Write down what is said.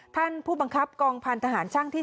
ท่านผู้บังคับกองพันธหารช่างที่๓